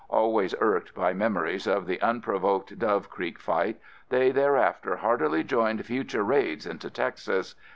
Always irked by memories of the unprovoked Dove Creek fight, they thereafter heartily joined future raids into Texas.